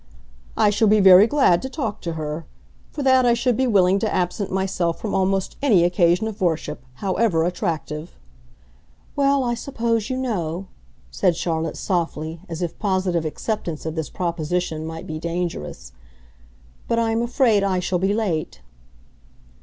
"I shall be very glad to talk to her. For that I should be willing to absent myself from almost any occasion of worship, however attractive." "Well, I suppose you know," said Charlotte, softly, as if positive acceptance of this proposition might be dangerous. "But I am afraid I shall be late."